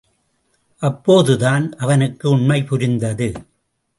அப்போதுதான் அவனுக்கு உண்மை புரிந்தது.